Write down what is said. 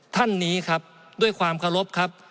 ท่านนี้ครับด้วยความเคารพครับ